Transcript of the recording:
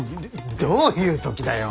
どういう時だよ。